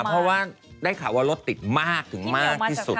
เพราะได้ข่าวว่ารถติดมากที่สุด